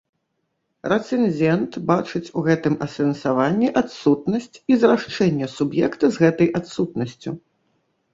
Рэцэнзент бачыць у гэтым асэнсаванні адсутнасць і зрашчэнне суб'екта з гэтай адсутнасцю.